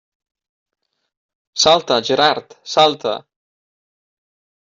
Salta, Gerard, salta!